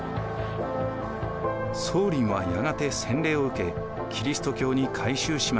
宗麟はやがて洗礼を受けキリスト教に改宗しました。